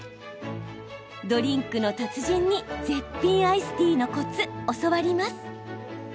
ドリンクの達人に絶品アイスティーのコツ教わります。